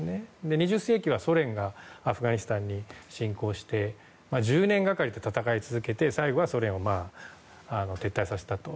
２０世紀はソ連がアフガニスタンに侵攻して１０年がかりで戦い続けて最後はソ連を撤退させたと。